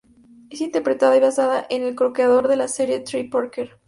Es interpretado y basado en el co-creador de la serie Trey Parker.